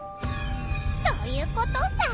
そういうことさ。